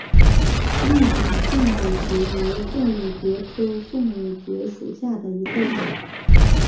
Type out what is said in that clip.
栗柄凤尾蕨为凤尾蕨科凤尾蕨属下的一个种。